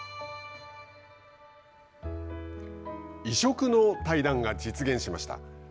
異色の対談が実現しました。